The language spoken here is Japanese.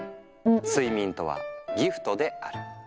「睡眠とはギフトである」。